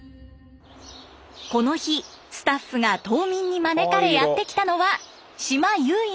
この日スタッフが島民に招かれやって来たのは島唯一のカフェ。